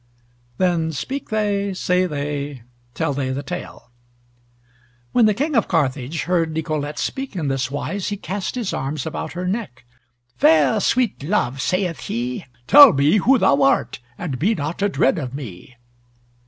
Then speak they, say they, tell they the Tale: When the King of Carthage heard Nicolete speak in this wise, he cast his arms about her neck. "Fair sweet love," saith he, "tell me who thou art, and be not adread of me."